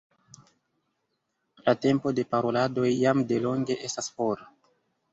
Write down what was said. La tempo de paroladoj jam delonge estas for.